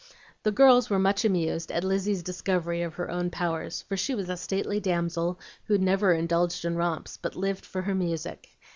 The girls were much amused at Lizzie's discovery of her own powers, for she was a stately damsel, who never indulged in romps, but lived for her music.